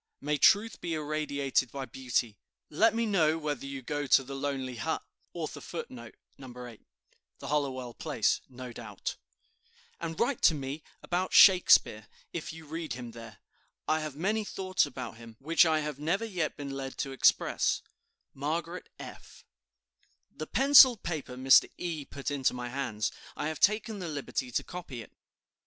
May truth be irradiated by Beauty! Let me know whether you go to the lonely hut, and write to me about Shakespeare, if you read him there. I have many thoughts about him, which I have never yet been led to express. "MARGARET F. "The penciled paper Mr. E. put into my hands. I have taken the liberty to copy it.